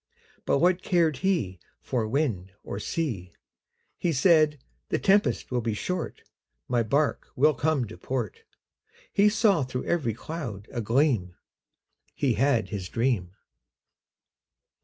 But what cared he For wind or sea! He said, "The tempest will be short, My bark will come to port." He saw through every cloud a gleam He had his dream.